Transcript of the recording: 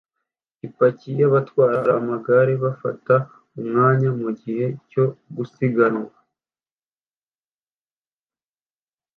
Ipaki yabatwara amagare bafata umwanya mugihe cyo gusiganwa